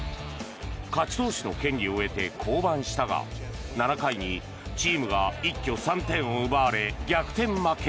勝ち投手の権利を得て降板したが７回にチームが一挙３点を奪われ逆転負け。